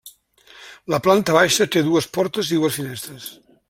La planta baixa té dues portes i dues finestres.